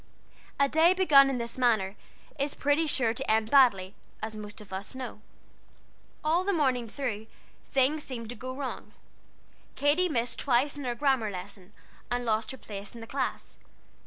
A day begun in this manner is pretty sure to end badly, as most of us know. All the morning through, things seemed to go wrong. Katy missed twice in her grammar lesson, and lost her place in the class.